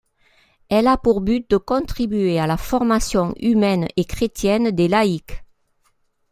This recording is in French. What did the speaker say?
Elle a pour but de contribuer à la formation humaine et chrétienne des laïcs.